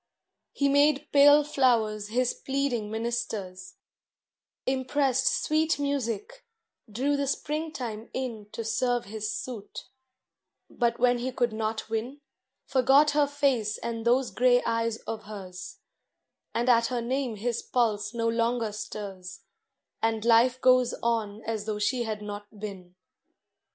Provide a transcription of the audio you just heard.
He made pale flowers his pleading ministers, Impressed sweet music, drew the springtime in To serve his suit; but when he could not win, Forgot her face and those gray eyes of hers; And at her name his pulse no longer stirs, And life goes on as though she had not been.